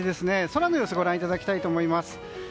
空の様子ご覧いただきたいと思います。